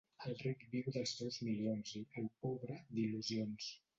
El ric viu dels seus milions i, el pobre, d'il·lusions.